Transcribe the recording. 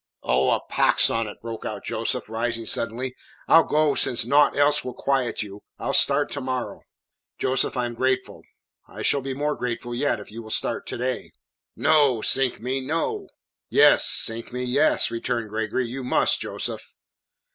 "Oh, a pox on it," broke out Joseph, rising suddenly. "I'll go since naught else will quiet you. I'll start to morrow." "Joseph, I am grateful. I shall be more grateful yet if you will start to day." "No, sink me, no." "Yes, sink me, yes," returned Gregory. "You must, Joseph."